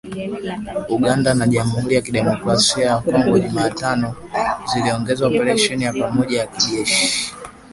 Uganda na Jamhuri ya Kidemokrasia ya Kongo Jumatano ziliongeza operesheni ya pamoja ya kijeshi